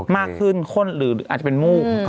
มากขึ้นข้นหรืออาจจะเป็นมูก